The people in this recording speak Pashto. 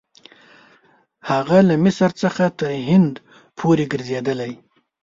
هغه له مصر څخه تر هند پورې ګرځېدلی.